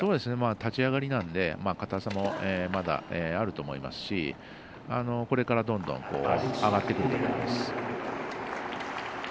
立ち上がりなので硬さもあると思いますしこれからどんどん上がってくると思います。